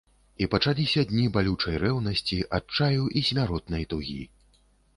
І пачаліся дні балючай рэўнасці, адчаю і смяротнай тугі.